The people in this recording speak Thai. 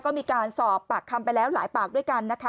ก็มีการสอบปากคำไปแล้วหลายปากด้วยกันนะคะ